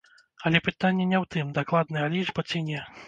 Але пытанне не ў тым, дакладная лічба ці не.